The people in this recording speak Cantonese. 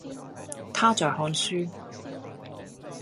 他在看書